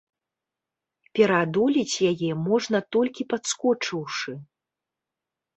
Пераадолець яе можна толькі падскочыўшы.